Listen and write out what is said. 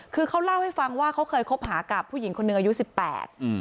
คือเขาเล่าให้ฟังว่าเขาเคยคบหากับผู้หญิงคนหนึ่งอายุสิบแปดอืม